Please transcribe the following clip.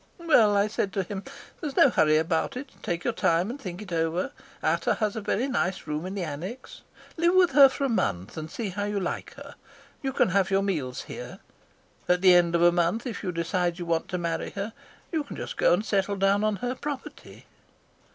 "'Well,' I said to him, 'there's no hurry about it. Take your time and think it over. Ata has a very nice room in the annexe. Live with her for a month, and see how you like her. You can have your meals here. And at the end of a month, if you decide you want to marry her, you can just go and settle down on her property.'